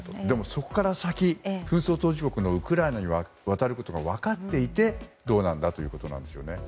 そこから先、紛争中のウクライナに渡ることが分かっていてどうなんだということですよね。